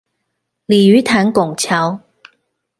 鯉魚潭拱橋